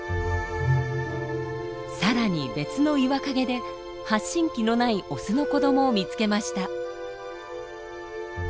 更に別の岩陰で発信器のないオスの子どもを見つけました。